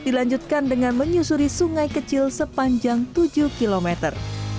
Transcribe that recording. dilanjutkan dengan menyusuri sungai kecil sepanjang tujuh kilometer